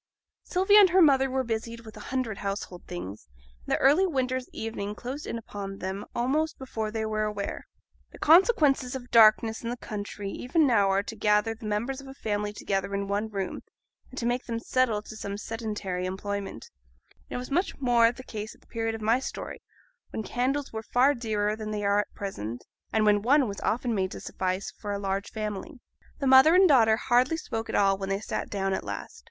Sylvia and her mother were busied with a hundred household things, and the early winter's evening closed in upon them almost before they were aware. The consequences of darkness in the country even now are to gather the members of a family together into one room, and to make them settle to some sedentary employment; and it was much more the case at the period of my story, when candles were far dearer than they are at present, and when one was often made to suffice for a large family. The mother and daughter hardly spoke at all when they sat down at last.